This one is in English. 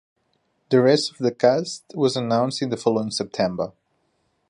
The rest of the cast was announced the following September.